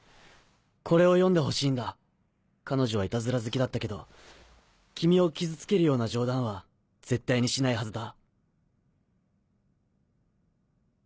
これを読んでほしいんだ彼女はいたずら好きだったけど君を傷つけるような冗談は絶対にしないはずだ。